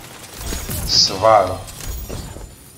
Ṣbeṛ!